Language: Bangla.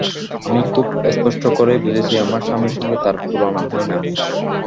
আমি খুব স্পষ্ট করেই বুঝেছি আমার স্বামীর সঙ্গে তাঁর তুলনাই হয় না।